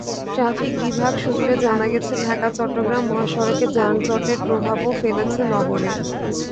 Traffic বিভাগ সূত্রে জানা গেছে, ঢাকা-চট্টগ্রাম মহাসড়কে যানজটের প্রভাবও ফেলেছে নগরে।